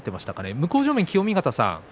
向正面の清見潟さん